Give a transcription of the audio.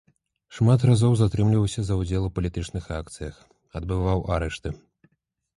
Шмат разоў затрымліваўся за ўдзел у палітычных акцыях, адбываў арышты.